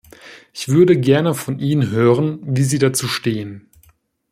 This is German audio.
Ich würde gerne von Ihnen hören, wie Sie dazu stehen.